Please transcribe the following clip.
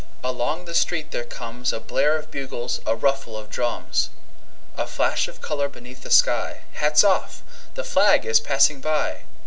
Along the street there comesA blare of bugles, a ruffle of drums,A flash of color beneath the sky:Hats off! The flag is passing by!